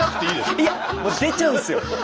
いや出ちゃうんですよ。